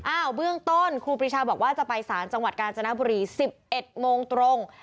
เบื้องต้นครูปรีชาบอกว่าจะไปสารจังหวัดกาญจนบุรี๑๑โมงตรง